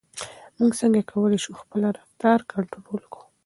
موږ څنګه کولای شو خپل رفتار کنټرول کړو؟